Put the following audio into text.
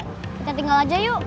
kita tinggal aja yuk